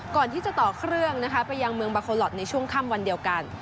ก่อนที่จะต่อเครื่องนะคะไปยังเมืองบาโคลอทในช่วงค่ำวันเดียวกัน